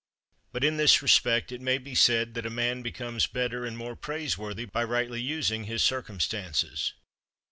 But in this respect it may be said that a man becomes better and more praiseworthy by rightly using his circumstances.